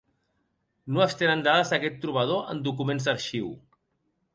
No es tenen dades d'aquest trobador en documents d'arxiu.